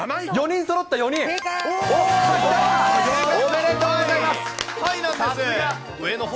４人そろった、正解。